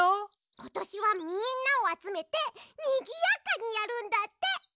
ことしはみんなをあつめてにぎやかにやるんだって。